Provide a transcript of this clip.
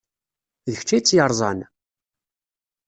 D kečč ay tt-yerẓan?